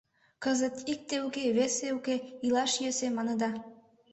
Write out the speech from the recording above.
Кызыт «икте уке, весе уке, илаш йӧсӧ» маныда.